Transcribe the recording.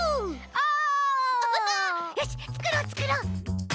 よしつくろうつくろう！